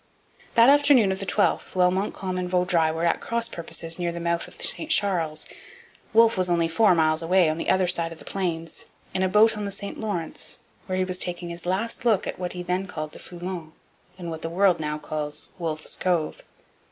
That afternoon of the 12th, while Montcalm and Vaudreuil were at cross purposes near the mouth of the St Charles, Wolfe was only four miles away, on the other side of the Plains, in a boat on the St Lawrence, where he was taking his last look at what he then called the Foulon and what the world now calls Wolfe's Cove.